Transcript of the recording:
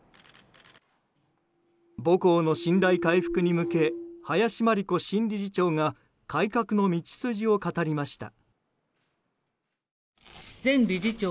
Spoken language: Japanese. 母校の信頼回復に向け林真理子新理事長が改革の道筋を語りました。